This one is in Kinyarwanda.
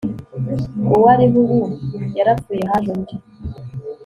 Uwariho ubu yarapfuye haje undi